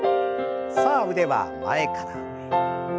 さあ腕は前から上へ。